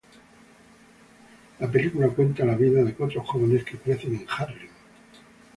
La película cuenta las vidas de cuatro jóvenes que crecen en Harlem.